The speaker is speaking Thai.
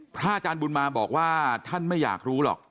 พระอาจารย์บุญมาศรีระเตชโชว์บอกว่าท่านไม่อยากรู้หรอก